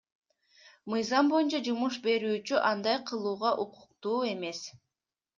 Мыйзам боюнча, жумуш берүүчү андай кылууга укуктуу эмес.